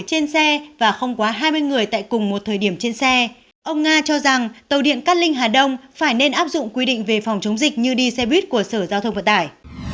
trên xe và không quá hai mươi người tại cùng một thời điểm trên xe ông nga cho rằng tàu điện cát linh hà đông phải nên áp dụng quy định về phòng chống dịch như đi xe buýt của sở giao thông vận tải